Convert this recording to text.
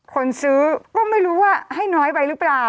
คนซื้อก็ไม่รู้ว่าให้น้อยไปหรือเปล่า